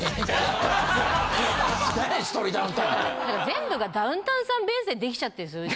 だから全部がダウンタウンさんベースで出来ちゃってるんですよ。